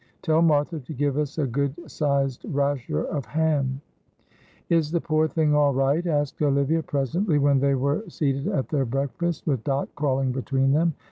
Tell Martha to give us a good sized rasher of ham." "Is the poor thing all right," asked Olivia presently, when they were seated at their breakfast, with Dot crawling between them.